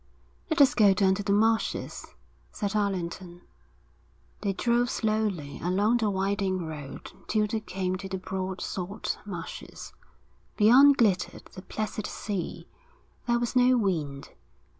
'Let us go down to the marshes,' said Allerton. They drove slowly along the winding road till they came to the broad salt marshes. Beyond glittered the placid sea. There was no wind.